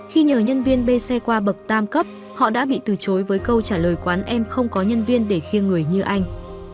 khi nhờ nhân viên b xe qua bậc tam cấp họ đã bị từ chối với câu trả lời quán em không có nhân viên để khiêng người như anh